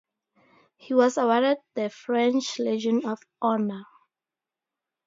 He was awarded the French Legion of Honour.